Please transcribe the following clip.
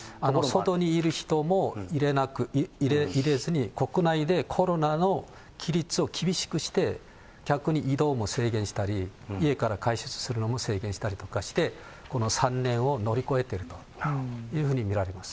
外にいる人も入れずに国内でコロナの規律を厳しくして、逆に移動も制限したり、家から外出するのも制限したりとかして、この３年を乗り越えてるというふうに見られます。